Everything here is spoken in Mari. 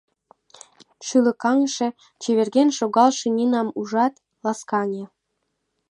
Шӱлыкаҥше, чеверген шогалше Нинам ужат, ласкаҥе: